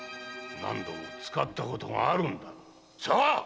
何度も使ったことがあるんだろう。